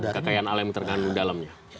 kekayaan alam terkandung dalamnya